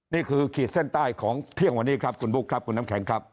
ขีดเส้นใต้ของเที่ยงวันนี้ครับคุณบุ๊คครับคุณน้ำแข็งครับ